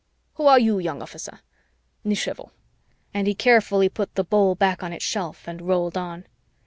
Who are you, young officer? Nichevo," and he carefully put the bowl back on its shelf and rolled on.